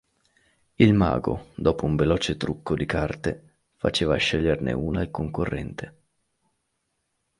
Il mago, dopo un veloce trucco di carte, faceva sceglierne una al concorrente.